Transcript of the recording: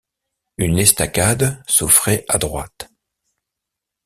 Une estacade s’offrait à droite.